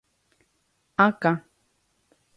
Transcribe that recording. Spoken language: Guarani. Akã